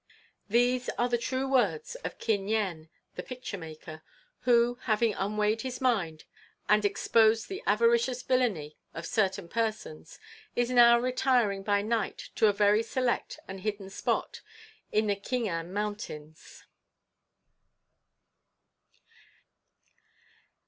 These are the true words of Kin Yen, the picture maker, who, having unweighed his mind and exposed the avaricious villainy of certain persons, is now retiring by night to a very select and hidden spot in the Khingan Mountains.